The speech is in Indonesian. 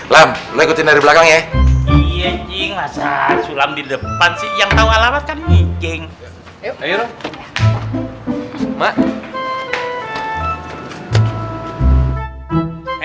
lam lo ikutin dari belakang ya